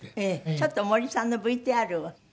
ちょっと森さんのＶＴＲを。